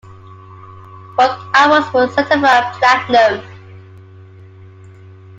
Both albums were certified Platinum.